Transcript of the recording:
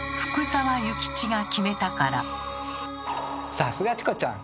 さすがチコちゃん！